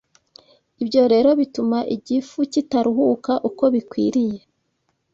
Ibyo rero bituma igifu kitaruhuka uko bikwiriye